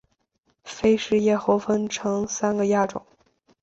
菲氏叶猴分成三个亚种